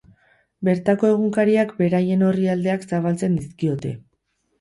Bertako egunkariak beraien orrialdeak zabaltzen dizkiote.